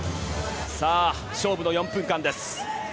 勝負の４分間です。